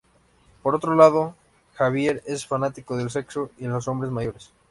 Por otro lado, Javier es fanático del sexo y los hombres mayores.